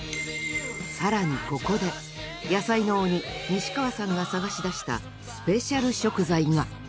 さらにここで野菜の鬼西川さんが探し出したスペシャル食材が。